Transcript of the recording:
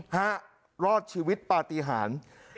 ฮะรอดชีวิตปฏิหาร